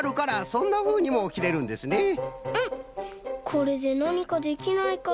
これでなにかできないかな？